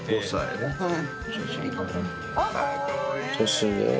年上。